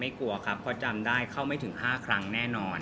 ไม่กลัวครับเขาจำได้เข้าไม่ถึงห้าครั้งแน่นอน